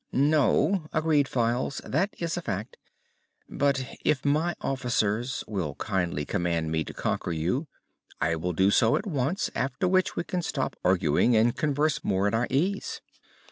"No," agreed Files, "that is a fact. But if my officers will kindly command me to conquer you, I will do so at once, after which we can stop arguing and converse more at our ease."